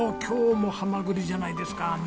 今日もはまぐりじゃないですか！